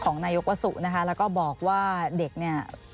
นายกวสุนะคะแล้วก็บอกว่าเด็กเนี่ย